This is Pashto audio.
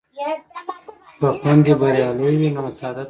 که خویندې بریالۍ وي نو حسادت به نه وي.